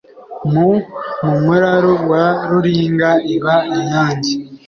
mu muraru wa muringa iba inyange